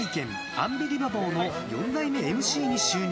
アンビリバボー」の４代目ＭＣに就任。